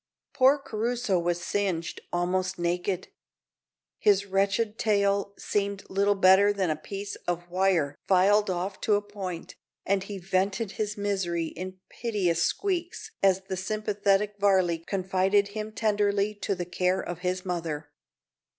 Poor Crusoe was singed almost naked. His wretched tail seemed little better than a piece of wire filed off to a point, and he vented his misery in piteous squeaks as the sympathetic Varley confided him tenderly to the care of his mother.